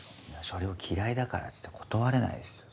それを嫌いだからって断れないですよ。